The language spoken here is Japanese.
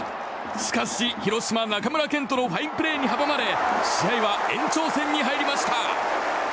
しかし広島、中村健人のファインプレーに阻まれ試合は延長戦に入りました。